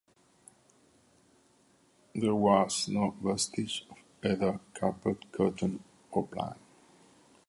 There was no vestige of either carpet, curtain, or blind.